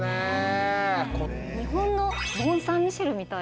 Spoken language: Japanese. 日本のモンサンミッシェルみたい。